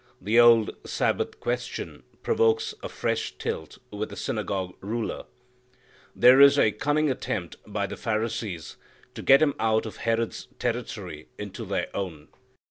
The old Sabbath question provokes a fresh tilt with a synagogue ruler. There is a cunning attempt by the Pharisees to get Him out of Herod's territory into their own.